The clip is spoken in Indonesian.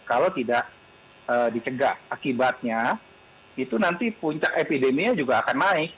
kalau tidak dicegah akibatnya itu nanti puncak epideminya juga akan naik